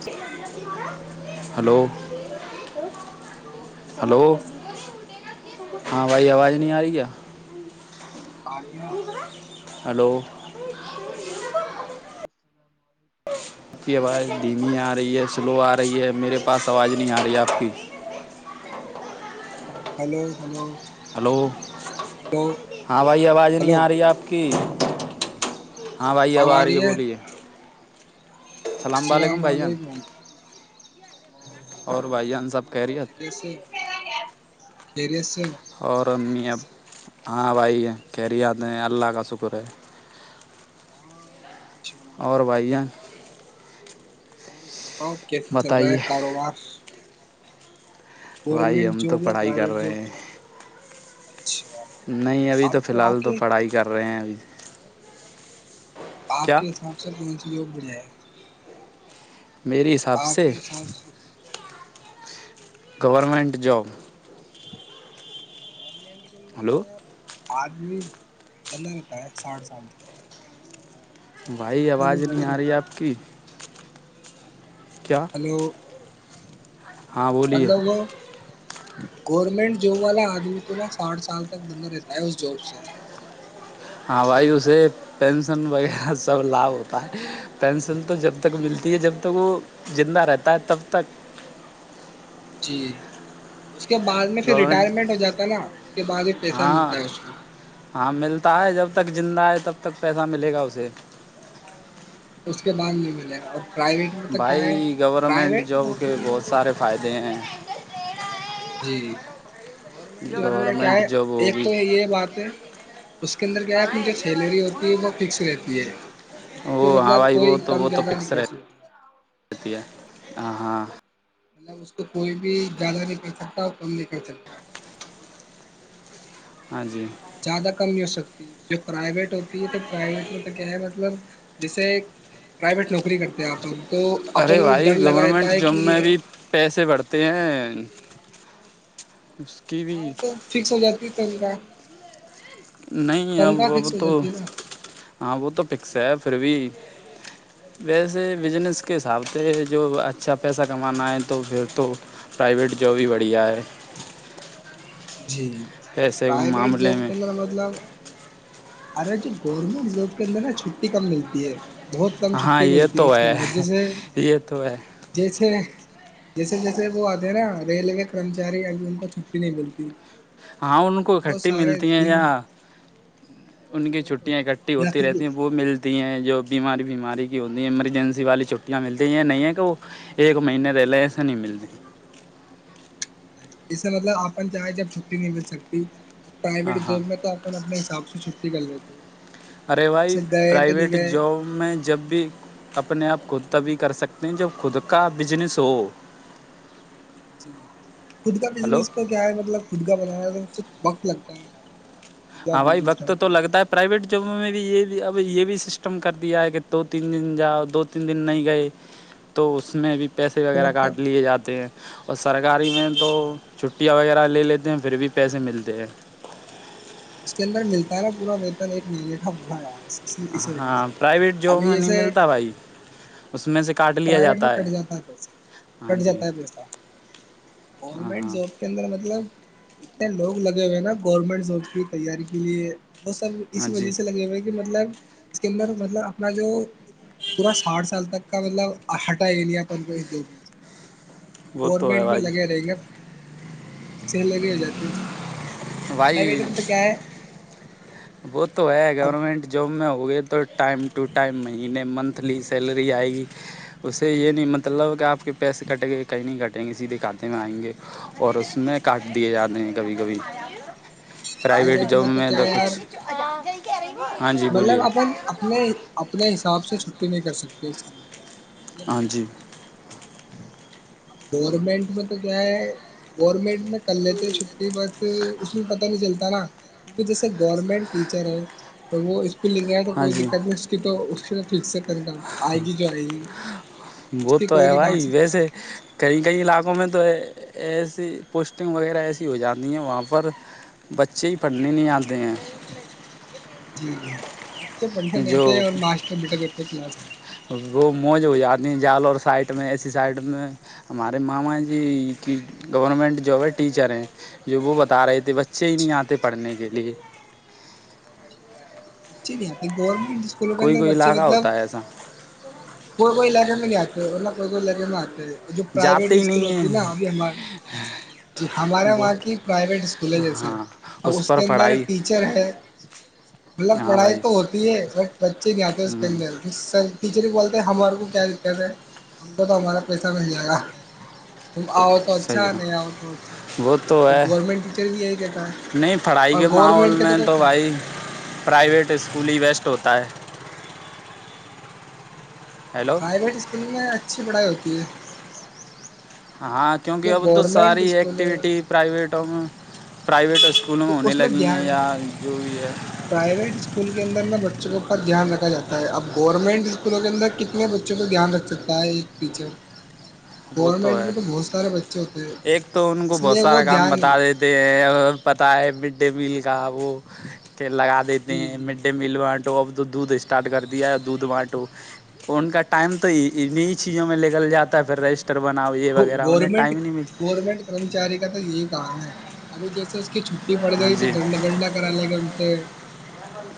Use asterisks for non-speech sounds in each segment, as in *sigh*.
السلام علیکم hello hello hello hello ہاں بھائی آواز نہیں آ رہی کیا *unintelligible* *inaudible* ہلو ہلو السلام علیکم آپ کی آواز دھیمی آ رہی ہے سلو آ رہی ہے میرے پاس آواز نہیں آ رہی ہے آپ کی ہلو ہلو ہلو ہلو ہاں بھائی آواز نہیں ہلو آ رہی آپ کی *inaudible* ہاں بھائی اب آ رہی ہے بولیے السلام علیکم وعلیکم اور بھائی السلام جان سب خیریت اورے *unintelligible* *unintelligible* می اب ہاں بھائی کہہری آتے ہیں اللہ کا شکر ہے شکنا اور چاہیے بھائی کیا جان کریں *inaudible* آاؤں کیسے چل رہا بتائیے ہے کاروبار بھائی گورنمنٹ ہم تو جاب یا پڑھائی کر پرائیویٹ رہے جاب کے ہیں بارے میں ب نہیں ابھی تو فی آپ الحال تو کے پڑھائی کر رہے ہیں اب آپ کیا کے حساب سے کون سیوگ بڑ جائے *unintelligible* میرری حساب سے حساب سے گورنمنٹ جاب گنمٹ *unintelligible* کے اندر کیا ہلو ہے آپ آدمی بندا رہتا ہے ساٹھ سال تک تو ساٹھ سال بھائی تک وہ آواز بند نہیں آ رہی ہے رہتا اس آپ کے کی اندر ہی۔ کیا ہلو ہاں بولیے مطلو گو گورمنٹ جاب والا آدمی تو نا ساٹھ سال تک بندہ رہتا ہے اس جاب سے ہاں بھائی اسے پینشن وغیرہ سب لابھ ہوتا ہے پینشن پن تو جب تک جی ملتی ہے جب تک وہ زندہ رہتا ہے تب تک جی اس کے بع میں پھر گورنمنٹ ریٹائرمنٹ ہو جاتا ہے نا اس کے بعد ایک پیسہ ہاں ملتا ہے اس میں ہاں ملتا ہے جب تک زندہ ہے تب تک پیسہ ملے گا اسے اس کے بعد نہیں ملے گا اور پرائیویٹ میں تو کیا ہے بھائی گورنمنٹ پرائیویٹ جاب کے نوکری بہت سارے فائدے ج *unintelligible* جی گورنمنٹ جاب میں کیا گورنمنٹ ہے جاب ایک ہوگی تو یہ بات ہے اس کے اندر کیا ہے اپنی جو سیلری ہوتی ہے وہ فکس رہتی ہے اس کو وہ ہاں مطلب بھائی کوئی وہ تو کم وہ تو جیادہ نہیں فکس کر سکتی ہ ہاں مطلب اس کو کوئی بھی زیادہ نہیں کر سکتا اور کم نہیں کر سکتا ہاں جی زیادہ کم نہیں ہو سکتی جو پرائیویٹ ہوتی ہے تو پرائیویٹ میں تو کیا ہے مطلب جیسے پرائیویٹ نوکری کرتے ہیں آپ ل ارے بھائی گورنمنٹ جاب میں بھی پیسے بڑھتے ہیں بہار کی اوج عا رہی ہے *unintelligible* ہاں تو فکس ہو جاتی چی گا *unintelligible* نہیں اب اب تو ہے نا ہاں وہ تو پکس ہے پھر بھی ویسے بزنس کے حساب سے جو اچھا پیسہ کمانا ہے تو پھر تو پرائیویٹ جواب ہی بڑھیا ہے جی پیسے کے پرائیویٹ معاملے جاب میں کے اندر مطلب ارے جو گورنمنٹ جاب کے اندر ہے چھٹی کم ملتی ہے بہت کم ہاں چھٹی یہ ملتی ہے تو اس کے اندر جیسے یہ تو ہے جیسے جیسے جیسے وہ آتے ہیں نا ریلوے کے کرمچاری اب ان کو چھٹی نہیں ملتی ہاں ان کو کھٹی ملتی ہیں یا ان کی چھٹیاں اکٹھی یا ہوتی پھر رہتی ہیں وہ ملتی ہیں جو بیماری بیماری کی ہوتی ہے ایمرجنسی والی چھٹیاں ملتی ہیں یہ نہیں ہے کہ وہ ایک مہینے رہ لے ایسے نہیں ملتے نہیں اسسے مطلب آپن چاہیں جب چھٹی نہیں مل سکتی ہاں پرائیویٹ ہاں جاب میں تو اپ اپنے حساب اس سے چھٹی کرل دیتی ہے ارےوائی پرائیویٹ جاب میں جب بھی اپنے آپ کو تبی کر سکتے ہیں جب خود کا بزنس ہو جی جی خود کا ہلو بزنس تو کیا ہے مطلب خود کا بنانا تو وقت لگتا ہے یار خود کا ہاں بھائی بزنس وقت کھڑا تو کرنا لگتا ہے پرائیویٹ جب ہمیں بھی یہ بھی اب یہ بھی سسٹم کر دیا ہے کہ دو تین دن جاؤ دو تین دن نہیں گئے تو اس میں بھی پیسے تو وغیرہ مطلب کاٹ لیے جاتے ہیں اور سارا گاری میں تو ہاں چھٹیاں وغیرہ پ لے لیتے ہیں پھر بھی پیسے ملتے ہیں اس کے اندر ملتا ہے نا پورا ویتن ایک مہینے کا مڑا آیا اس کا اس و ہاں پرائیویٹ جاب ابھی میں نہیں جیسے ملتا بھائی اس میں سے کاٹ لیا پرائیویٹ میں کٹ جاتا ہے پ ہاں کٹ جی جاتا ہے پیسہ ہاں گورنمنٹ ہاں جاب کے اندر مطلب اتنے لوگ لگے ہوئے ہیں نا گورنمنٹ س کی تیاری کے لیے وہ سب ہاں اسی جی وجہ سے لگے ہوئے کہ مطلب اس کے اندر مطلب اپنا جو پورا ساٹھ سال تک کا مطلب ہٹا گ لیا اپن کو اس جوک میں سے وہ تو ہے گورنمنٹ میں بھائی لگے رہیں گے پ سے لگی ہو جاتی ہے اس کے اندر اب پرائیویٹ وائی میں تو کیا ہے وہ تو ہے اب گورنمنٹ جاب میں ہو گئے تو تو ٹائم ٹو ٹائم مہینے منتھلی سیلری آئے گی اس سے یہ نہیں مطلب کہ آپ کے پیسے کٹیں گے کہیں نہیں کٹیں گے سیدھے کھاتے میں آئیں گے اور اس میں کاٹ دیے جاتے ہیں کبھی کبھی پرائیویٹ جاب میں تو کچھ *inaudible* جی مطلب بولیے اپن اپنے ہی اپنےس آپ سے چھٹی نہیں کر سکتے اس یہ ہاں میا جی یہ خر اب گورنمنٹ میں تو کیا ہے گورنمنٹ میں کر لیتے چھٹی بس اس میں پتہ نہیں چلتا نا کیونکہ جیسے گورنمنٹ ٹیچر ہیں تو وہ پ ل گیا تو ہاں کوئی جی دقت نہیں اس کی تو فکسک ن کا آئے گی جو آئے گی اس وہ سے تو کوئی ہے نہیں کاٹ بھائی سکتا ویسے کئی کئی علاقوں میں تو ایسی پوسٹنگ وغیرہ ایسی ہو جاتی ہیں وہاں پر بچے ہی پڑھنے نہیں آتے ہیں جٹھیک جو کلاس کے اندر وہ موج ہو جاتی ہیں جال اور سائڈ میں ایسی سائڈ میں ہمارے ماما جی گورنمنٹ وہ ٹیچر ہیں جو وہ بتا رہے تھے بچے ہی نہیں اچھا آتے پڑھنے کے لیے اچھی نہیں آتے گورنمنٹ اسکولوں کے کوئی اندر کوئی بچے علاقہ مطلب ہوتا ہے ایسا کوئیلاقے میں نہیں آ ہے کوئی کوئی لگے میں آچتے ہے جو پرائیویٹ جاتے ہی اسکول نہیں ہوتی ہے نا ہیں ابھی ہمار جی ہمارے وہ وہاں کی پرائیویٹ اسکول ہے جیسے ہاں ا اس پر کے اندر پڑھائی ٹیچر ہے مطلب ہاں پڑھائی بھائی تو ہوتی ہے بٹ بچے نہیں آتے ہیں اس کے اندر سر ٹیچر کو بول ہمار کو کیا دقت ہے ہم کو تو ہمارا پیسہ مل جائے گا تم آؤ تو اچھا صحیح ہے نہیں آؤ تو وہ تو اچھا ہے گورنمنٹ ٹیچر بھی یہی کہتا ہے نہیں پڑھائی اور کے ماحول گورنمنٹ کہتے میں کون تو سر بھائی پرائیویٹ اسکولی ویسٹ ہوتا ہے جی ہیلو پرائیویٹ اسکول میں اچھی پڑھائی ہوتی پ ہاں کیونکہ اب تو ساری اسکول ہے ایکٹیوٹی پرائیوٹ ا پرائیویٹ اسکولوں میں جی ہونے اس لگی ہیں دھیان یا جو بھی ہے کیونکہ پرائیویٹ اسکول کے اندر نا بچوں کے اوپس دھیان رکھا جاتا ہے اب گورنمنٹ اسکولوں کے اندر کتنے بچوں پہ دھیان رکھ سکتا ہے ایک ٹیچر وہ تو گورنمنٹ ہے میں بہت سارے بچے ہوتے ہیں ایک تو ان کو اس بہت لیے وہ سارا کام دھیان نہیں بتا دیتے ہیں اور پتا ہے مڈ ڈے میل گؤو کے لگا دیتے جی ہیں جی مڈ ڈے میل اب تو دودھ اسٹارٹ کر دیا ہے دودھ باٹو ان کا ٹائم تو انیں چیزوں میں لگل جاتا ہے پھر رسٹ گورنمنٹ گورنمنٹ کرمچاری کا تو یہ کام ہے ابھی جیسے کی چھٹی پڑ ہاں گئی تو جی دنڈ دنڈا کرا لے گا ان سے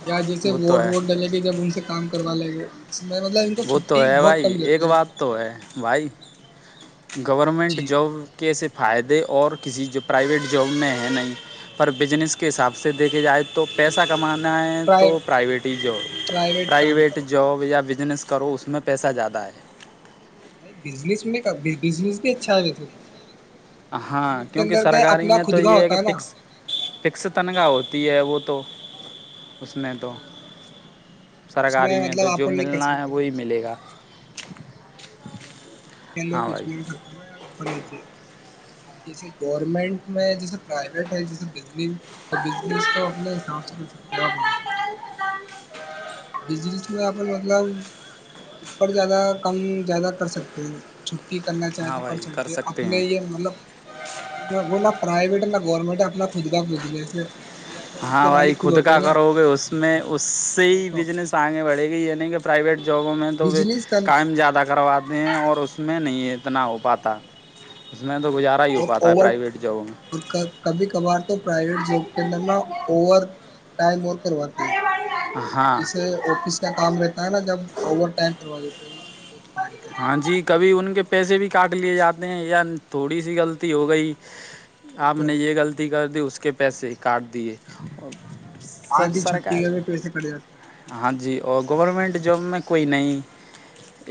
یا جیسے وہ تو ووٹ ہے ووٹ ڈلے گی جب ان سے کام کروا لیں گے اس میں مطلب ان کو وہ تو چھٹی ہے بہت بھائی کم ایک دیتے ہیں بات تو ہے وائی گورنمنٹ جی جاب کے سے فائدے اور کسی جو پرائیویٹ جاب میں ہے نہیں پر بزنس کے حساب سے جی دیکھا جائے تو پیسہ کمانا ہے تو پرائی پرائیویٹ ہی جاب کام پرائیویٹ کرو جاب یا بچ *inaudible* کرو اس میں پیسہ زیادہ ہے نہیں بزنس میں بزنس بھی اچھا ہے تھے تو ہاں بزنس کے کیونکہ اندر کیا سرکاری اپنا میں خود تو کا یہ ہے ہوتا کہ نا فکس فکس تنخواہ ہوتی ہے وہ تو اس میں تو جی اس سرکاری میں مطلب تو جو آپن نہیں کر ملنا ہے سکتے وہی ملے گا جی اس کے اندر ہاں کچھ بھائی بھی کرتا نا یار اوپر لیجے اب جیسے گورمنٹ میں جیسےیٹ ہے جیس اپنےاب سےکس میں اپ مطلب اپر زیادہ کم زیادہ کر سکتے ہیں چ کرنا چاہے تو کر سکتے ہیں اپنے یہ مطلب وہ نہ پرائیویٹ ہے نہ گورنمنٹ ہے اپنا اود کاا بود گ سر ہاں بھائی خود کا کرو گے اس میں اس سے وہ ہی تو بزنس آگے بڑھے گی یعنی کہ پرائیویٹ جابوں میں تو وہ بجنس کا کاائم زیادہ کرواتے ہیں اور اس میں نہیں اتنا ہو پاتا اس میں تو گزارا ہی ہو اور پاتا او ہے اور پرائیویٹ جابوں میں کبھی کبھار تو پرائیویٹ جاب کے اندر نہا اوور ٹائم اور کرواتی ہے ہاں جیسے آفس کا کام رہ نا جب اوور ٹائم کروا دیتے تین گھنٹے ہاں جی کبھی ان کے پیسے بھی کاٹ لیے جاتے ہیں یا تھوڑی سی غلطی ہو گئی وہی آپ تو نے یہ غلطی کر دی اس اس کے پیسے کاٹ دیے سب آدھی چھٹی سرکاری گ میں پیسے کٹ جاتے تھے ہاں جی اور گورمنٹ جاب میں کوئی نہیں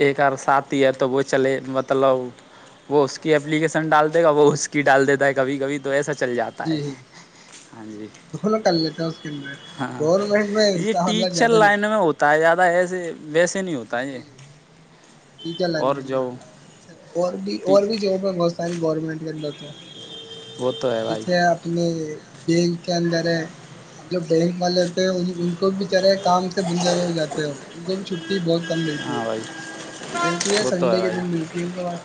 ایک اور ات ہی ہے تو وہ چلے مطلب وہ اس کی اپلیکیشن ڈال دے گا وہ اس کی ڈال دیتا ہے کبھی کبھی تو ایسا چل جاتا ہے جی ہاں جی دونوں کر لیتا ہے اس کے اندر ہاں گورنمنٹ میں اس یہ کا حلہ ٹیچر زیادہ نہیں لائن میں ہوتا ہے زیادہ ایسے بس سے نہیں ہوتا یہ جی ٹیچر اور لگنے جو میںتا ہے جیسے اور بھی اور بھی ج میں بہت ساری گورنمنٹ ل تو *unintelligible* وہ تو ہے بھائی جیسے اپ نے بینک کے اندر ہے اور جو بینک والے ہوتے ہیں ان بچارے کام سے بندے ہو جاتے ہو ان کو بھی چھٹی بہت کم ملتی ہاں ہے بھائی ملتی وہ تو ہے سنڈے کے بھائی دن ملتی ہے ان کے پاس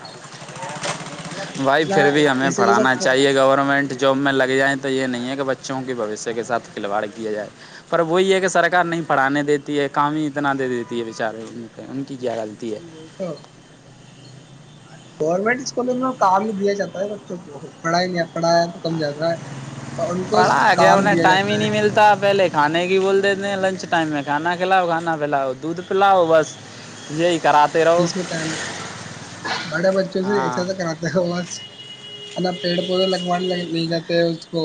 بھائی نہ پھر بھی ہمیں ایسے جیسا پڑھانا چاہیے گورنمنٹ جاب میں لگ جائیں تو یہ نہیں ہے کہ بچوں کے بھشیہ کے ساتھ کھلواڑ کیا جائے پر وہی یہ ہے کہ سرک نہیں پڑانے دیتی ہے کام ہی اتنا دے دیتی ہے بیچارے ان ان کی کیا ڈالتی ہے جی وہی تو گورنمنٹ اسکولوں میں کام ہی دیا جاتا ہے بچوں کو پڑھائی نہیں پڑھایا تو کم جاتا ہے اور ان کو پڑا گ کام انہیں دیا ٹائم ہی جاتا ہے نہیں ملتا پہلے کھانے کی بول دیتے ہیں لنچ ٹائم میں کھانا کھلاؤ کھانا پلاؤ دودھ پلاؤ بس یہی کراتے رہو جس میں ٹائم نکالا بڑے بچوں سے ہاں ایساسا کراتا ہے وہ ہے نا پیڑ پودے لگوانے لے جاتے ہیں اس کو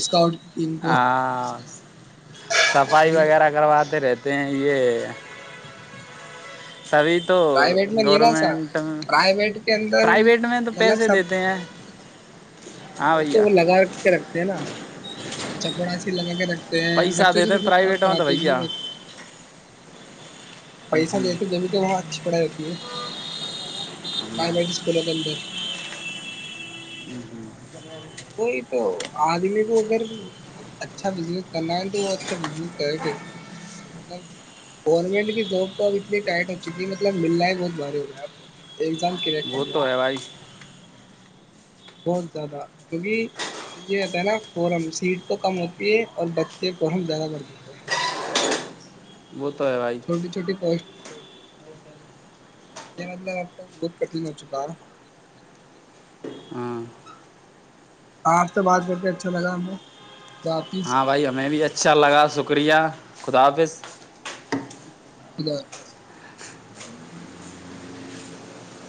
اسکاٹ ہاں صفائی وغیرہ کرواتے رہتے تے ہیں یہ سبھی تو پرائیویٹ میں نہیں ہے نا ایسا گورنمنٹ پرائیویٹ کے اندر پرائیویٹ میں تو مطلب پیسے سب دیتے ہیں ہاں تو بھیا وہ لگا کے رکھتے ہیں نا چپڑا س لگا کے رکھ پیسہ بچوں سے دیتے ہیں مطلب کام پرائیویٹ میں تو کراتے بھی وہ بھیا ایکسٹ پیسہ دیتے جبھی تو وہاں اچھی پڑھائی ہو ج *unintelligible* پرائوٹ اسکول کے اندر وہی تو آدمی کو اگر اچھا بزنس کرنا ہے تو وہ اچھا بزس کر کرنا ہے مطلب گورنمنٹ کی جاب تو اب اتنی ٹائٹ ہو چکی مطلب ملنا ہی بہت بھاری ہو گا ہے اب تو ایگزام کلیئر بت کرنا تو ہے بھائی بہت زیادہ کیونکہ یہ رہتا ہے نا فورم سیٹ تو کم ہوتی ہے اور بچے فورم زیادہ بڑ دیتے ہیں بت *unintelligible* چھوٹی چھوٹی پوسٹ اس لیے مطلب اب تو بہت کٹھن ہو چکا ہےا ہاں آج تو بات کر کے اچھا لگا ہمیں حافظ ہاں بھائی ہمیں بھی اچھا لگا شکریہ خدا حافظ اد *unintelligible*